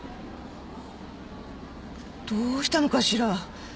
どうしたのかしら？